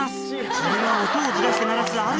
それは音をずらして鳴らす。